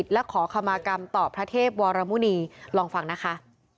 และขอคำมากรรมต่อพระเทพวรมุณีลองฟังนะคะ